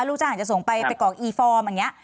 ลูกจ้างจะส่งไปไปกรอกอีฟอร์มอย่างนี้